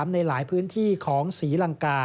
ในหลายพื้นที่ของศรีลังกา